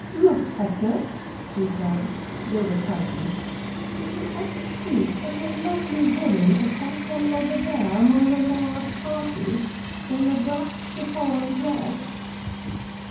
"Look, Hector," she said they were cousins "did you ever see such a lovely woman as that one over there among the large party, in the black chiffon dress?"